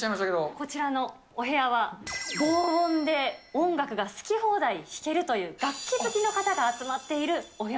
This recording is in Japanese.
こちらのお部屋は防音で音楽が好き放題弾けるという、楽器好きな方が集まっているお部屋